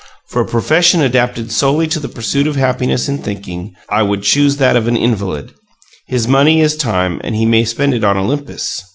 For a profession adapted solely to the pursuit of happiness in thinking, I would choose that of an invalid: his money is time and he may spend it on Olympus.